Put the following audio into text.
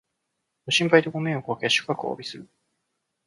ご心配とご迷惑をおかけし、深くおわびする